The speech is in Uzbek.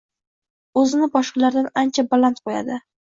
O‘zini boshqalardan ancha baland qo‘yadi